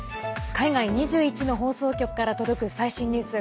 海外２１の放送局から届く最新ニュース。